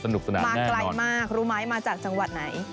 มาไกลมากรู้ไหมมาจากจังหวัดไหน